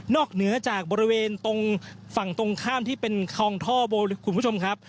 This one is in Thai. เหนือจากบริเวณตรงฝั่งตรงข้ามที่เป็นคลองท่อโบคุณผู้ชมครับ